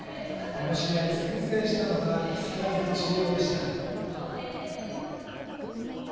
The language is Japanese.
この試合、先制したのは木更津総合でした。